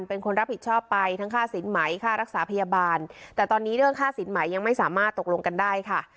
เป็นคนรับผิดชอบไปทั้งค่าสินไหมค่ารักษาพยาบาลแต่ตอนนี้เรื่องค่าสินใหม่ยังไม่สามารถตกลงกันได้ค่ะ